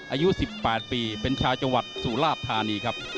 อายุ๑๘ปีเป็นชาวจังหวัดสุราชธานีครับ